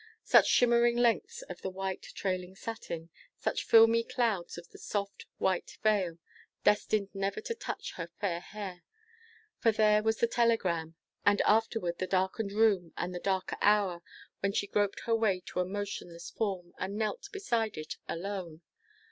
Such shimmering lengths of the white, trailing satin; such filmy clouds of the soft, white veil, destined never to touch her fair hair! For there was the telegram, and afterward the darkened room, and the darker hour, when she groped her way to a motionless form, and knelt beside it alone.